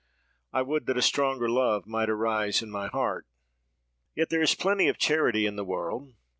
I would that a stronger love might arise in my heart! "Yet there is plenty of charity in the world.